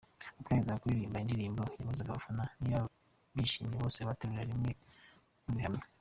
Uko yarangizaga kuririmba indirimbo yabazaga abafana niba bishimye, bose bagaterurira icya rimwe babihamya.